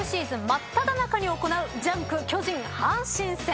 真っただ中に行う『ジャンク』巨人阪神戦。